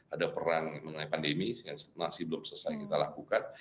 ada perang mengenai pandemi yang masih belum selesai kita lakukan